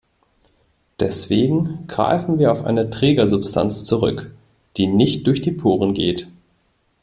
Deswegen greifen wir auf eine Trägersubstanz zurück, die nicht durch die Poren geht.